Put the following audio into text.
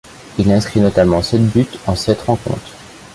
Il inscrit notamment sept buts en sept rencontres.